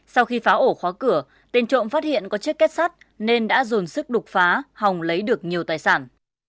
sau khi pháo ổ khóa cửa tên trộm phát hiện có chiếc kết sắt nên đã dồn sức đục phá hòng lấy được nhiều tài sản